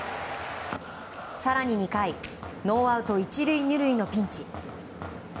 更に２回ノーアウト１塁２塁のピンチ。